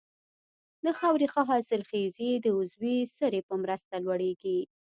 د خاورې ښه حاصلخېزي د عضوي سرې په مرسته لوړیږي.